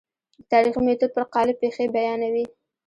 د تاریخي میتود پر قالب پېښې بیانوي.